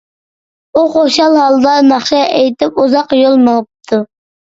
ئۇ خۇشال ھالدا ناخشا ئېيتىپ، ئۇزاق يول مېڭىپتۇ.